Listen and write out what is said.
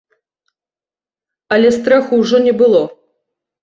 Але страху ўжо не было.